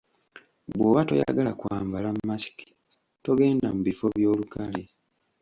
Bw'oba toyagala kwambala masiki togenda mu bifo by'olukale.